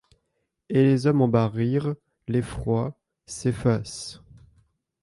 Et les hommes en bas rirent ; l’effroi. s’efface